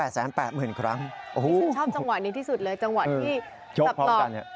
ชอบจังหวะนี้ที่สุดเลยจังหวะที่สับตอบ